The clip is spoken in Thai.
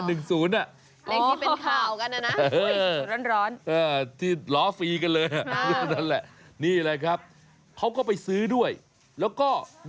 เลขที่เป็นข่าวกันอ่ะนะร้อน